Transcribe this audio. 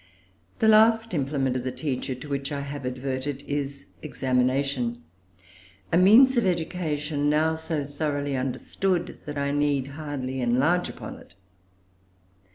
The last implement of the teacher to which I have adverted is examination a means of education now so thoroughly understood that I need hardly enlarge upon it.